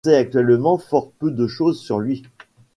On sait actuellement fort peu de choses sur lui.